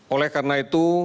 oleh karena itu